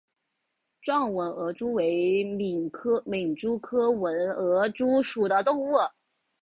壮吻额蛛为皿蛛科吻额蛛属的动物。